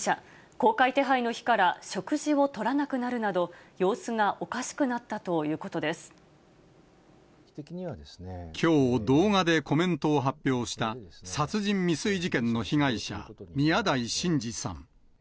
公開手配の日から食事をとらなくなるなど、様子がおかしくなったきょう、動画でコメントを発表した殺人未遂事件の被害者、宮台真司さん。